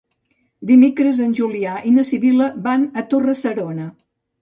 Dimecres en Julià i na Sibil·la van a Torre-serona.